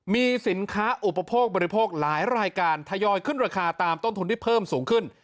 มีสินค้าอุปโภคบริโภคหลายรายการทยอยขึ้นราคาตามต้นทุนที่เพิ่มสูงขึ้น